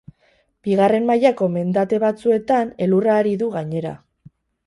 Bigarren mailako mendate batzuetan elurra ari du, gainera.